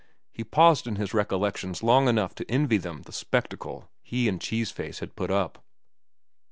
He paused in his recollections long enough to envy them the spectacle he and Cheese Face had put up.